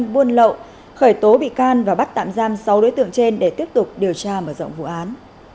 buôn lậu khởi tố bị can và bắt tạm giam sáu đối tượng trên để tiếp tục điều tra mở rộng vụ án